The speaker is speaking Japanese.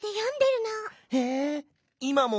へえいまも？